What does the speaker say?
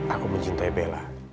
aku mencintai bella